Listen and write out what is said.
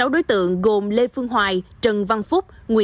sáu đối tượng gồm lê phương hoài trần văn phúc